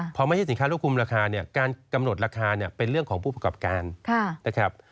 พอไม่ใช่สินค้าลูกคุมราคาเนี่ยการกำหนดราคาเนี่ยเป็นเรื่องของผู้ประกอบการนะครับ